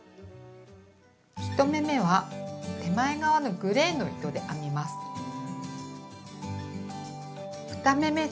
１目めは手前側のグレーの糸で編みます。